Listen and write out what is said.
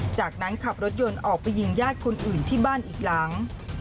จากนั้นขับรถยนต์ออกไปยิงญาติคนอื่นที่บ้านอีกหลัง